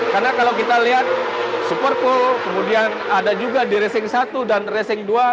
karena kalau kita lihat superpole kemudian ada juga di racing satu dan racing dua